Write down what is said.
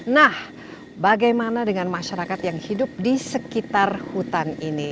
nah bagaimana dengan masyarakat yang hidup di sekitar hutan ini